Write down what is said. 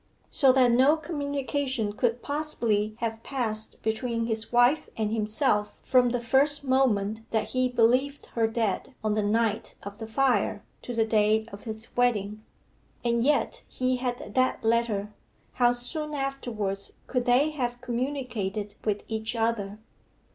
So that no communication could possibly have passed between his wife and himself from the first moment that he believed her dead on the night of the fire, to the day of his wedding. And yet he had that letter. How soon afterwards could they have communicated with each other?